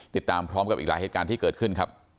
ติดตามพร้อมกับอีกหลายเหตุการณ์ที่เกิดขึ้นครับ